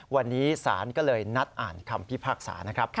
วันนี้ศาลก็เลยนัดอ่านคำพิพากษานะครับ